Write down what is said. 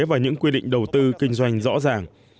và những quy định đầu tư kinh doanh rõ ràng